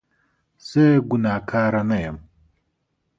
زه ګناکاره نه یم